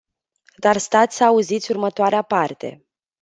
Dar stați să auziți următoarea parte.